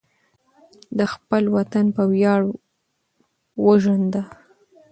د خپل وطن په ویاړ وژونده.